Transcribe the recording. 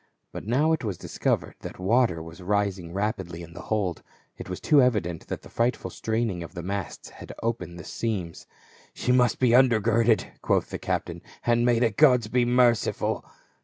But now it was discovered that water was rising rapidly in the hold ; it was too evident that the frightful straining of the masts had opened the seams. "She must be undergirded," quoth the captain — "and may the gods be merciful